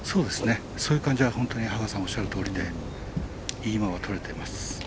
そういう感じは羽川さんおっしゃるとおりでいい間が取れています。